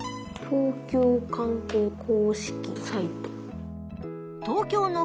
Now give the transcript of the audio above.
「東京の観光公式サイト」。